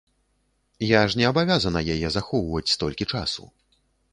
Я ж не абавязана яе захоўваць столькі часу.